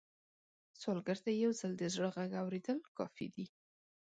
سوالګر ته یو ځل د زړه غږ اورېدل کافي دي